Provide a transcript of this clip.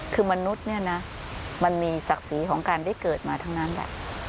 คือมนุษย์เนี่ยนะมันมีศักดิ์ศรีของการได้เกิดมาทั้งนั้นแหละ